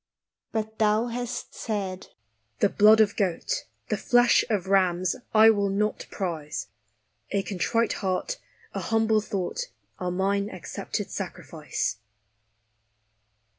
But Thou hast said, " The blood of goat, The flesh of rams, I will not prize; A contrite heart, a humble thought, Are mine accepted sacrifice."